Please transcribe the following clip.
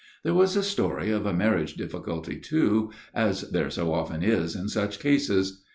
There was a story of a marriage difficulty, too, as there so often is in such cases.